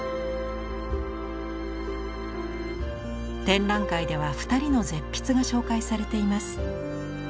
展覧会では二人の絶筆が紹介されています。